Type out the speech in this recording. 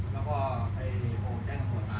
แล้วก็ให้แจ้งโทรศาสตร์มา